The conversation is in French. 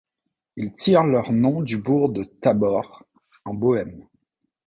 Ils tirent leur nom du bourg de Tábor en Bohême.